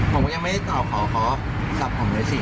ผมยังไม่ตอบขอขอสับผมเลย๔๕ที